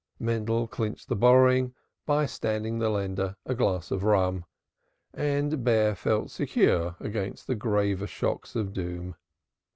Mendel clinched the borrowing by standing the lender a glass of rum, and Bear felt secure against the graver shocks of doom.